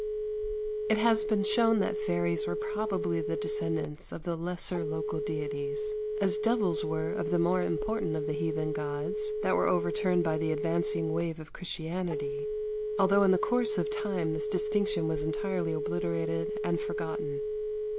112. It has been shown that fairies were probably the descendants of the lesser local deities, as devils were of the more important of the heathen gods that were overturned by the advancing wave of Christianity, although in the course of time this distinction was entirely obliterated and forgotten.